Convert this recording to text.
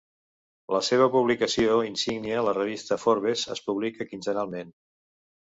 La seva publicació insígnia, la revista "Forbes", és publica quinzenalment.